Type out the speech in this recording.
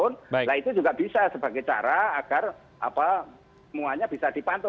nah itu juga bisa sebagai cara agar semuanya bisa dipantau